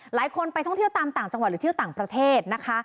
ไปท่องเที่ยวตามต่างจังหวัดหรือเที่ยวต่างประเทศนะคะ